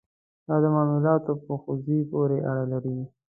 دا د معاملاتو په حوزې پورې اړه لري.